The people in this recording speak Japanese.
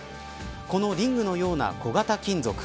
このリングのような小型金属。